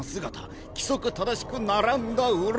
規則正しく並んだうろこ。